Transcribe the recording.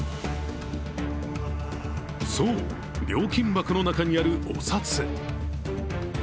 そう、料金箱の中にあるお札。